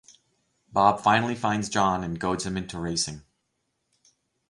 Bob finally finds John and goads him into racing.